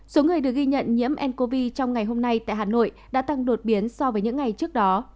số người được ghi nhận nhiễm ncov trong ngày hôm nay tại hà nội đã tăng đột biến so với những ngày trước đó